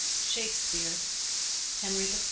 —SHAKESPEARE: Henry IV.